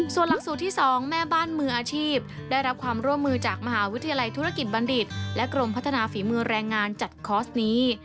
ส่วนหลักสูตรที่๒แม่บ้านมืออาชีพได้รับความร่วมมือจากมหาวิทยาลัยธุรกิจบัณฑิตและกรมพัฒนาฝีมือแรงงานจัดคอร์สนี้